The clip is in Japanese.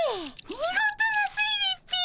見事な推理っピ！